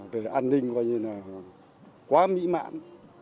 về an ninh coi như là quá mỹ mạn